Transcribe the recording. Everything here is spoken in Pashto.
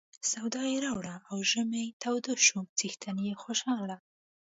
سودا یې راوړه او ژمی تود شو څښتن یې خوشاله.